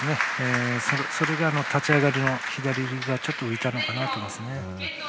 それが立ち上がり、左手が浮いたのかなと思いますね。